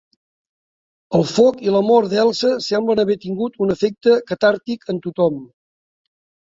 El foc i la mort de l'Elsa semblen haver tingut un efecte catàrtic en tothom.